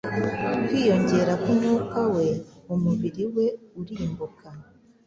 Kwiyongera kumwuka we umubiri we urimbuka